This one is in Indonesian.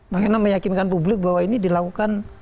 makanya meyakinkan publik bahwa ini dilakukan